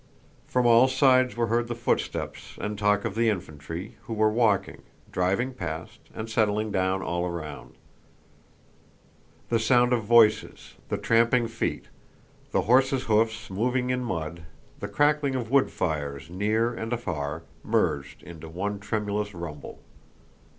From all sides were heard the footsteps and talk of the infantry, who were walking, driving past, and settling down all around. The sound of voices, the tramping feet, the horses' hoofs moving in mud, the crackling of wood fires near and afar, merged into one tremulous rumble.